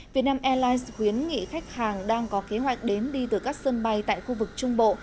việt nam airlines khuyến nghị khách hàng đang có kế hoạch đến đi từ các sân bay tại khu vực trung bộ